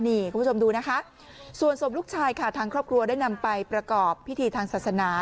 นี่คุณผู้ชมดูนะคะส่วนศพลูกชายค่ะทางครอบครัวได้นำไปประกอบพิธีทางศาสนา